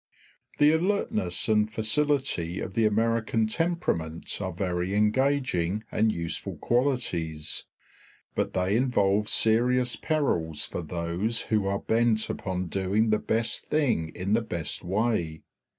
The alertness and facility of the American temperament are very engaging and useful qualities, but they involve serious perils for those who are bent upon doing the best thing in the best way.